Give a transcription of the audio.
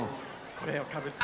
これをかぶって。